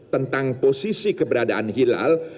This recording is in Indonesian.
tentang posisi keberadaan hilal